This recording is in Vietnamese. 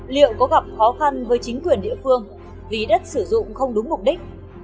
liệu có gặp khó khăn với chính quyền địa phương vì đất sử dụng không đúng mục đích